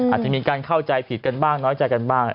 อาจจะมีการเข้าใจผิดกันบ้างน้อยใจกันบ้าง